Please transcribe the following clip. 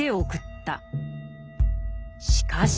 しかし。